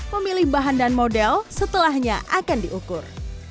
memilih bahan dan model setelahnya akan diukur